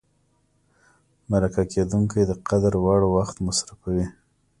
مرکه کېدونکی د قدر وړ وخت مصرفوي.